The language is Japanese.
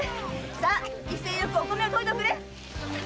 威勢よくお米を研いでおくれ！